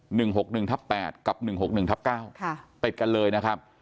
หกหนึ่งทับแปดกับหนึ่งหกหนึ่งทับเก้าค่ะติดกันเลยนะครับ